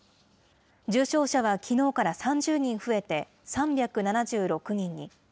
重症者はきのうから３０人増えて３７６人に。